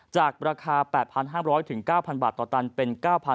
จากราคา๘๕๐๐ถึง๙๐๐๐บาทต่อตันเป็น